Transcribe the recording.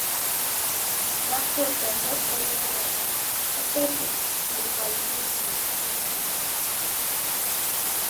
Gháp tó tə mbə́ se yórə́, ə́ pə̂ ghíʼ ləkei mbó ŋuu yi pə́ wo ngǒu zʉ́.